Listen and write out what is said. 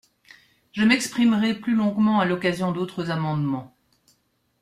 Je m’exprimerai plus longuement à l’occasion d’autres amendements.